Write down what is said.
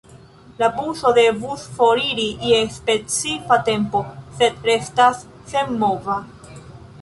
La buso devus foriri je specifa tempo, sed restas senmova.